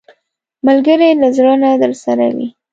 ملګری له زړه نه درسره وي